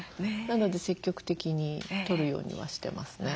なので積極的にとるようにはしてますね。